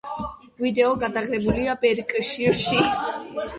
ვიდეო გადაღებულია ბერკშირში.